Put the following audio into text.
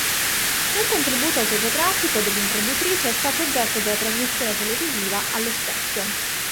Un contributo autobiografico dell'imprenditrice è stato oggetto della trasmissione televisiva "Allo specchio.